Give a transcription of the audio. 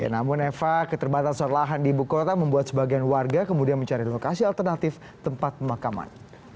namun eva keterbatasan lahan di ibu kota membuat sebagian warga kemudian mencari lokasi alternatif tempat pemakaman